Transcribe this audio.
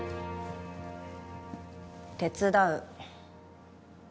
手伝う。